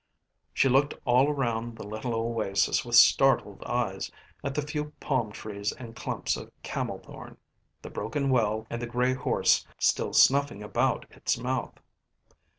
She looked all around the little oasis with startled eyes, at the few palm trees and clumps of camel thorn, the broken well and the grey horse still snuffing about its mouth.